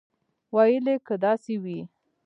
ویل یې که داسې وي.